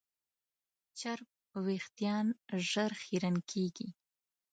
چرب وېښتيان ژر خیرن کېږي.